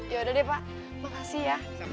yaudah deh pak makasih ya